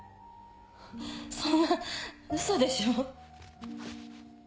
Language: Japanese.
そんなウソでしょ。